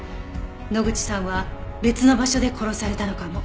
野口さんは別の場所で殺されたのかも。